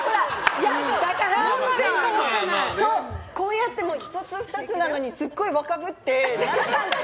だから、こうやって１つ、２つなのにすっごい若ぶって。